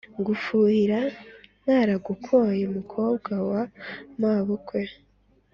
Ngufuhira ntaragukoye mukobwa wa mabukwe